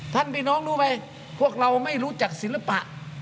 พี่น้องรู้ไหมพวกเราไม่รู้จักศิลปะ